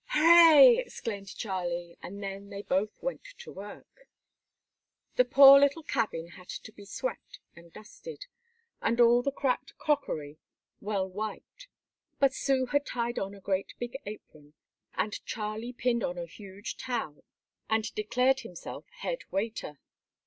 "Hurrah!" exclaimed Charlie, and then they both went to work. The poor little cabin had to be swept and dusted, and all the cracked crockery well wiped, but Sue had tied on a great big apron, and Charlie pinned on a huge towel, and declared himself head waiter.